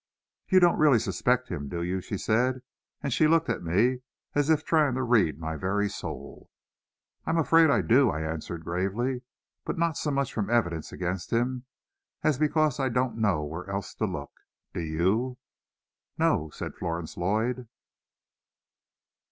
"You don't really suspect him, do you?" she said; and she looked at me as if trying to read my very soul. "I'm afraid I do," I answered gravely; "but not so much from evidence against him, as because I don't know where else to look. Do you?" "No," said Florence Lloyd.